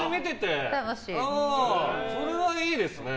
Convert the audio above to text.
それはいいですね。